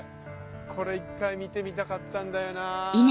これ一回見てみたかったんだよなぁ。